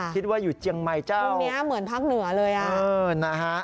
คิดว่าอยู่เจียงใหม่เจ้าเนี้ยเหมือนภาคเหนือเลยอ่ะเออนะฮะ